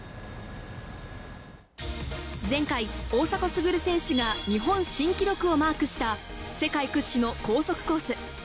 前回、大迫傑選手が日本新記録をマークした、世界屈指の高速コース。